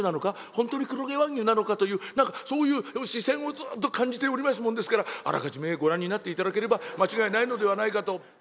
本当に黒毛和牛なのか？という何かそういう視線をずっと感じておりますもんですからあらかじめご覧になっていただければ間違いないのではないかと」。